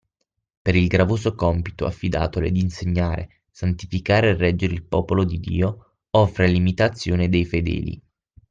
Per il gravoso compito affidatole di insegnare, santificare e reggere il Popolo di Dio, offre all'imitazione dei fedeli